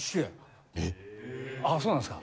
あそうなんですか？